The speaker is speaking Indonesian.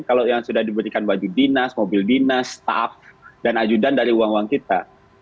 kalau yang sudah diberikan baju dinas mobil dinas staff dan ajudan dari uang uang kita